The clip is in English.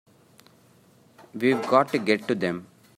We've got to get to them!